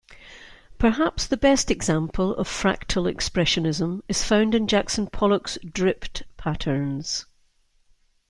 Perhaps the best example of fractal expressionism is found in Jackson Pollock's dripped patterns.